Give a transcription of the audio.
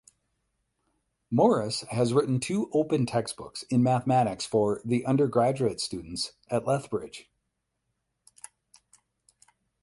Morris has written two open textbooks in mathematics for the undergraduate students at Lethbridge.